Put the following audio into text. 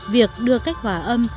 việc đưa cách hóa âm